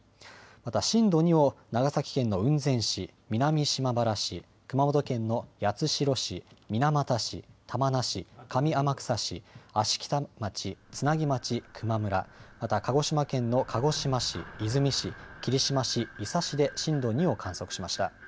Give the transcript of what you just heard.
また震度２を長崎県の雲仙市、南島原市、熊本県の八代市、水俣市、玉名市、上天草市、芦北町、津奈木町、球磨村、また鹿児島県の鹿児島市、出水市、霧島市、伊佐市で震度２を観測しました。